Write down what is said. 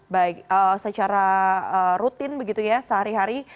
baik secara rutin begitu ya sehari hari